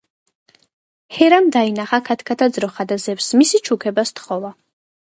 ჰერამ დაინახა ქათქათა ძროხა და ზევსს მისი ჩუქება სთხოვა.